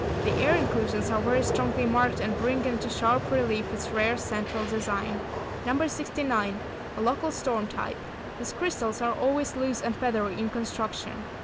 The air inclusions are very strongly marked and bring into sharp relief its rare central design. No. 69. A local storm type. These crystals are always loose and feathery in construction.